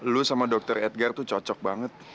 lu sama dokter edgar tuh cocok banget